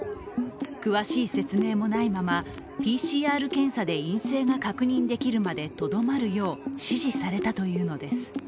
詳しい説明もないままＰＣＲ検査で陰性が確認できるまでとどまるよう指示されたというのです。